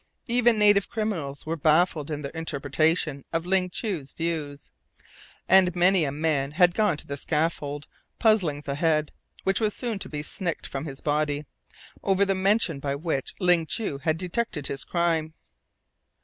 Even native criminals were baffled in their interpretation of Ling Chu's views, and many a man had gone to the scaffold puzzling the head, which was soon to be snicked from his body, over the method by which Ling Chu had detected his crime.